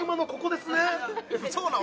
そうなん？